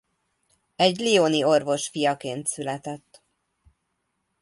Egy lyoni orvos fiaként született.